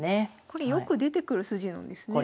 これよく出てくる筋なんですね。